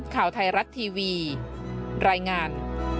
ข่าวไทยรัฐทีวีรายงาน